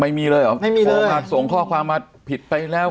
ไม่มีเลยเหรอไม่มีเลยขอมาส่งข้อความรับผิดไปแล้ว